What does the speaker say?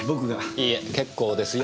いいえ結構ですよ。